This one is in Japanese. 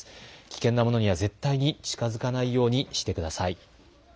危険なものには絶対に近づかないようにしてください。